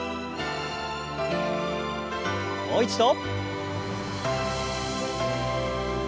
もう一度。